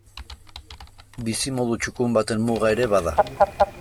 Bizimodu txukun baten muga ere bada.